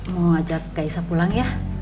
mau ajak gak isa pulang ya